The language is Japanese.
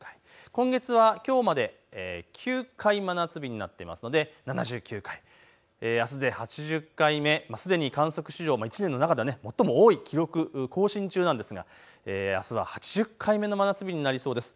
今月はきょうまで９回、真夏日になっていますので７９回、あすで８０回目、すでに観測史上、１年の中では最も多い記録、更新中なんですが、あすは８０回目の真夏日になりそうです。